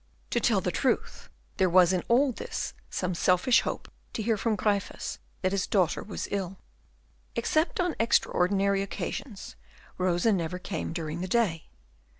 To tell the truth, there was in all this some selfish hope to hear from Gryphus that his daughter was ill. Except on extraordinary occasions, Rosa never came during the day.